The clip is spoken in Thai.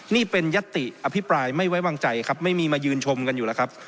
นี่เป็นยัตติอภิปรายไม่ไว้วางใจครับไม่มีมายืนชมกันอยู่แล้วครับ